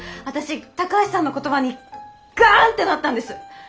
私高橋さんの言葉にガンってなったんです。